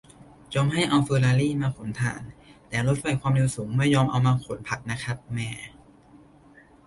"ยอมให้เอาเฟอร์รารี่มาขนถ่าน แต่รถไฟความเร็วสูงไม่ยอมเอามาขนผักนะครับ แหม่"